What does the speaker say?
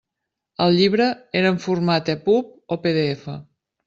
El llibre era en format EPUB o PDF?